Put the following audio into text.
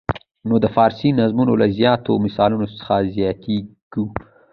نو د فارسي نظمونو له زیاتو مثالونو څخه تېریږو.